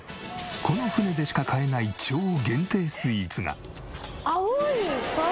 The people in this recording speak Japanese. この船でしか買えない超限定スイーツが。